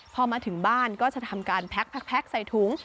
พอมาถึงบ้านก็จะทำการแพ็กใส่ถุง